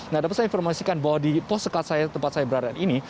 nah dapat saya informasikan bahwa di pos sekat tempat saya berada ini